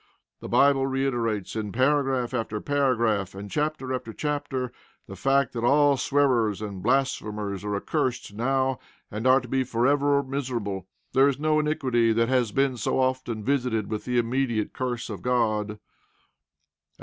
The Bible reiterates, in paragraph after paragraph, and chapter after chapter, the fact that all swearers and blasphemers are accursed now, and are to be forever miserable. There is no iniquity that has been so often visited with the immediate curse of God.